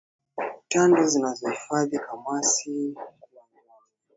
Tando zinazohifadhi kamasi kuwa njano